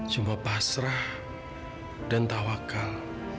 cuma pasrah dan tawakal